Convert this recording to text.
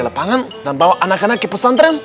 lapangan dan bawa anak anak ke pesantren